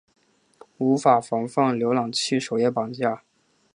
无法防范浏览器首页绑架。